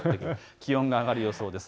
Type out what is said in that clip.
気温が上がりそうです。